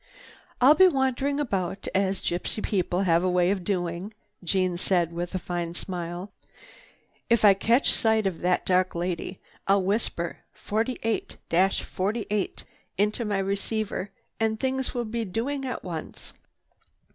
"I'll be wandering about, as gypsy people have a way of doing," Jeanne said with a fine smile. "If I catch sight of that dark lady, I'll whisper 48—48 into my receiver and things will be doing at once."